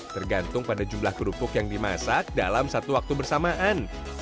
tergantung pada jumlah kerupuk yang dimasak dalam satu waktu bersamaan